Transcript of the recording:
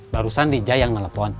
barusan dija yang nelfon